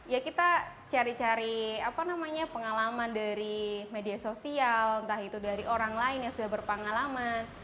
ya kita cari cari apa namanya pengalaman dari media sosial entah itu dari orang lain yang sudah berpengalaman